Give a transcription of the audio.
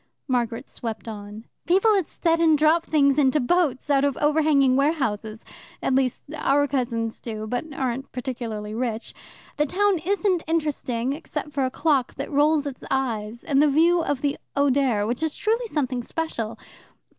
Margaret swept on. "People at Stettin drop things into boats out of overhanging warehouses. At least, our cousins do, but aren't particularly rich. The town isn't interesting, except for a clock that rolls its eyes, and the view of the Oder, which truly is something special.